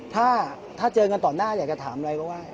ถ้าเจอกันต่อหน้าอยากจะถามอะไรก็ว่า